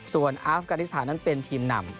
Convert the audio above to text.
ส่วนอาฟกานิสถานนั้นเป็นทีมนำ